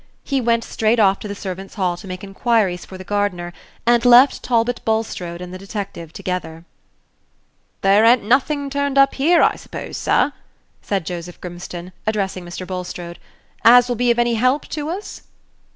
He went straight off to the servants' hall to make inquiries for the gardener, and left Talbot Bulstrode and the detective together. "There a'n't nothing turned up here, I suppose, sir," said Joseph Grimstone, addressing Mr. Bulstrode, "as will be of any help to us?"